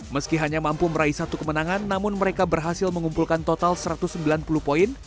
meski hanya mampu meraih satu kemenangan namun mereka berhasil mengumpulkan total satu ratus sembilan puluh poin